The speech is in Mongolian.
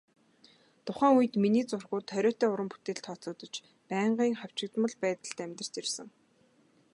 Тухайн үед миний зургууд хориотой уран бүтээлд тооцогдож, байнгын хавчигдмал байдалд амьдарч ирсэн.